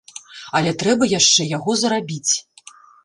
Але трэба яшчэ яго зарабіць.